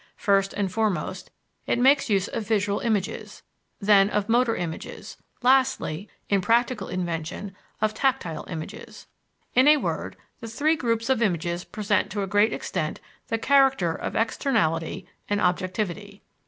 First and foremost, it makes use of visual images; then of motor images; lastly, in practical invention, of tactile images. In a word, the three groups of images present to a great extent the character of externality and objectivity.